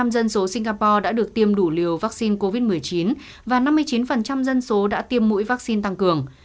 một mươi dân số singapore đã được tiêm đủ liều vaccine covid một mươi chín và năm mươi chín dân số đã tiêm mũi vaccine tăng cường